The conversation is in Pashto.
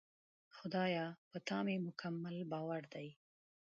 خدایه! په تا مې مکمل باور دی.